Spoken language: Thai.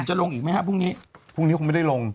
จะลงอีกไหมฮะพรุ่งนี้